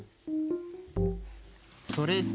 それで。